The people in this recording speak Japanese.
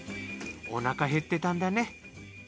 おなか減ってたんだね。